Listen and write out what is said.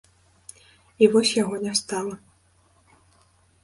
І вось яго не стала.